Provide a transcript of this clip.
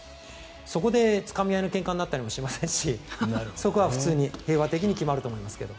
そこで、つかみ合いのけんかになったりもしませんしそこは普通に平和的に決まると思いますけど。